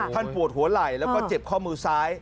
ปวดหัวไหล่แล้วก็เจ็บข้อมือซ้าย